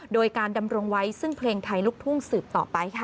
โดยการดำรงไว้ซึ่งเพลงไทยลูกทุ่งสืบต่อไปค่ะ